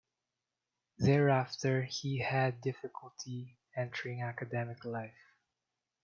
Thereafter he had difficulty entering academic life.